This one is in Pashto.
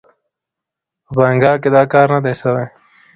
په بنګال کې دا کار نه دی سوی.